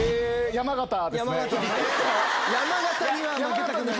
山形ですね。